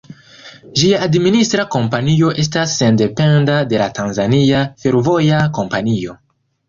Ĝia administra kompanio estas sendependa de la Tanzania Fervoja Kompanio.